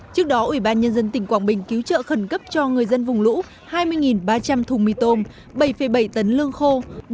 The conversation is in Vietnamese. trước đó ủy ban nhân dân tỉnh quảng bình cứu trợ khẩn cấp cho người dân vùng lũ hai mươi ba trăm linh thùng mì tôm bảy bảy tấn lương khô